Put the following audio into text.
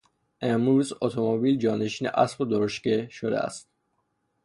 امروز اتومبیل جانشین اسب و درشگه شده است.